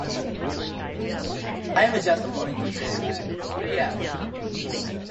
I'm just going to say my prayers.